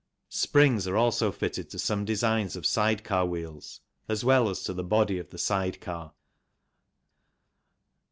Springs are also fitted .to some designs of side car wheels as well as to the body of the side car.